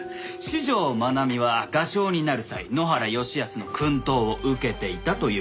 四条真奈美は画商になる際埜原義恭の薫陶を受けていたという事ですね。